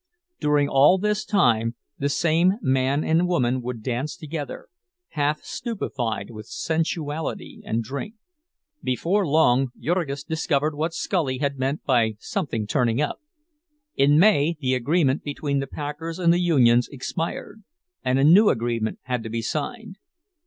During all this time the same man and woman would dance together, half stupefied with sensuality and drink. Before long Jurgis discovered what Scully had meant by something "turning up." In May the agreement between the packers and the unions expired, and a new agreement had to be signed.